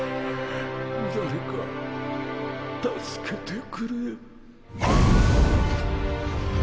誰か助けてくれ。